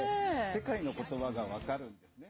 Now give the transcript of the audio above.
世界のことばが分かるんですね。